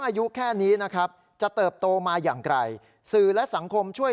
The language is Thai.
อายุแค่นี้นะครับจะเติบโตมาอย่างไกลสื่อและสังคมช่วย